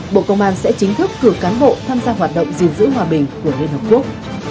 bộ công an sẽ chính thức cử cán bộ tham gia hoạt động gìn giữ hòa bình của liên hợp quốc